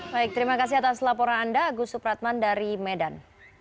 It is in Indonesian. baik terima kasih atas laporan anda agus supratman dari medan